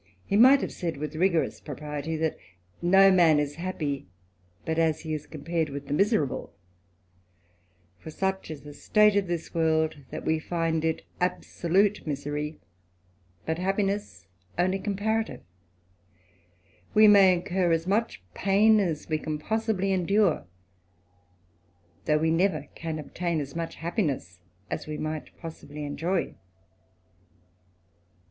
He might have said, with rigorous propriety, that no man is happy but as he is compared with the miserable ; for such is the state of this world, that we find it absolute misery, but happiness only comparative ; we may incur as much pain as we can possibly endure, though we never can obtain as much happiness as we might possibly enjoy.